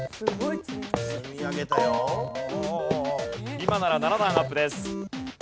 今なら７段アップです。